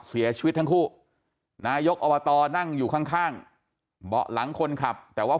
เสียชีวิตทั้งคู่นายกอบตนั่งอยู่ข้างเบาะหลังคนขับแต่ว่า